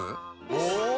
お！